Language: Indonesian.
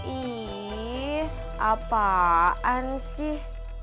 ih apaan sih